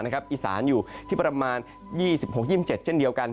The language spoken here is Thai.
อีสานอยู่ที่ประมาณ๒๖๒๗เช่นเดียวกัน